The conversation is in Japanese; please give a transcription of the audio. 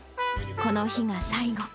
この日が最後。